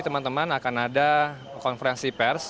teman teman akan ada konferensi pers